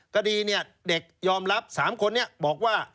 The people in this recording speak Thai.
คดีเนี่ยเด็กยอมรับ๓คนนี้บอกว่า